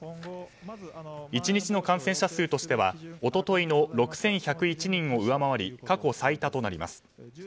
１日の感染者数としては一昨日の６１０１人を上回り、過去最多となります。